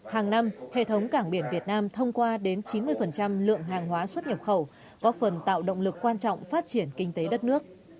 hàng năm hệ thống cảng biển việt nam thông qua đến chín mươi lượng hàng hóa xuất nhập khẩu góp phần tạo động lực quan trọng phát triển kinh tế đất nước